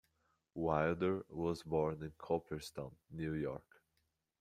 Wilder was born in Cooperstown, New York.